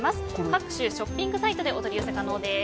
各種ショッピングサイトでお取り寄せ可能です。